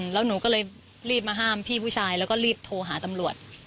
แล้วหนูก็เลยรีบมาห้ามพี่ผู้ชายแล้วก็รีบโทรหาตำรวจ